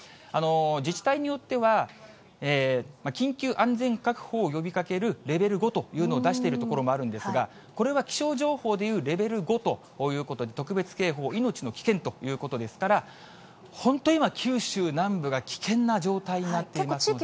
自治体によっては、緊急安全確保を呼びかけるレベル５というのを出してる所もあるんですが、これは気象情報でいうレベル５ということで、特別警報、命の危険ということですから、本当に今、九州南部が危険な状態になっていますので。